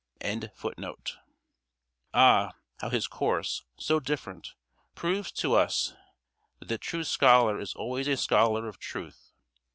] Ah, how his course, so different, proves to us that the true scholar is always a scholar of truth.